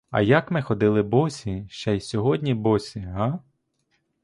А як ми ходили босі, ще й сьогодні босі, га!